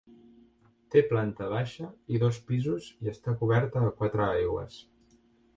Té planta baixa i dos pisos i està coberta a quatre aigües.